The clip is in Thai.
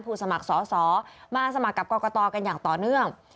สมัครสอสอมาสมัครกับกรกตกันอย่างต่อเนื่อง